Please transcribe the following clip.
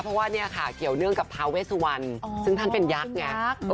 เพราะว่าเกี่ยวเรื่องกับพาเวสุวรรณซึ่งท่านเป็นยักษ์ไง